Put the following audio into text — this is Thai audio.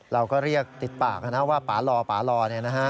เราก็เรียกติดปากถ้าว่าปาลอนี่นะฮะ